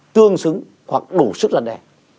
tương xứng hoặc đủ sức lăn đe